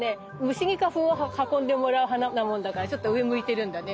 虫に花粉を運んでもらう花なもんだからちょっと上向いてるんだね。